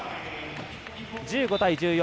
１５対１４